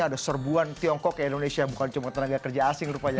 ada serbuan tiongkok ya indonesia bukan cuma tenaga kerja asing rupanya